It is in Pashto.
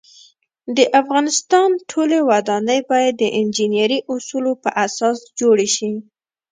د افغانستان ټولی ودانۍ باید د انجنيري اوصولو په اساس جوړې شی